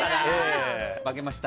負けました。